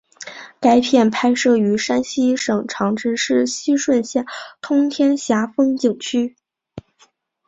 该片拍摄于山西省长治市平顺县通天峡风景区。